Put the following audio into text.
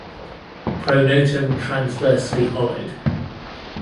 Pronotum transversely hollowed.